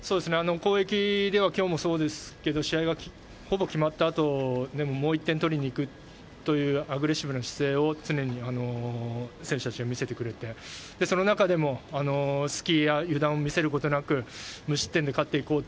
攻撃では今日もそうですけど、試合はほぼ決まった後でも、もう１点取りに行くというアグレッシブな姿勢を常に選手たちは見せてくれて、その中でも、隙や油断を見せることなく、無失点で勝って行こうと